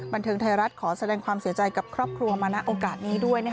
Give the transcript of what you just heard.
บันเทิงไทยรัฐขอแสดงความเสียใจกับครอบครัวมาณโอกาสนี้ด้วย